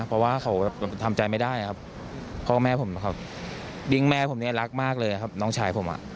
เพราะว่าเขาทำใจไม่ได้ครับพ่อแม่ผมนะครับดิ้งแม่ผมเนี่ยรักมากเลยครับน้องชายผมอ่ะ